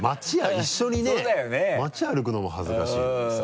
一緒にね街歩くのも恥ずかしいのにさ。